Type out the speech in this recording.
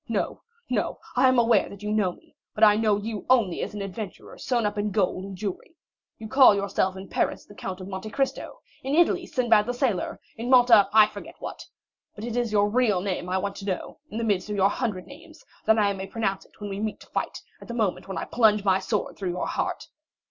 No—no, I am aware you know me; but I know you only as an adventurer sewn up in gold and jewellery. You call yourself, in Paris, the Count of Monte Cristo; in Italy, Sinbad the Sailor; in Malta, I forget what. But it is your real name I want to know, in the midst of your hundred names, that I may pronounce it when we meet to fight, at the moment when I plunge my sword through your heart."